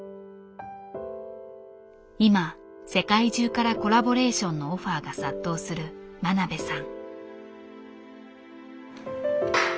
今世界中からコラボレーションのオファーが殺到する真鍋さん。